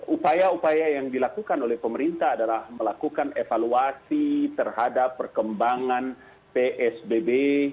upaya upaya yang dilakukan oleh pemerintah adalah melakukan evaluasi terhadap perkembangan psbb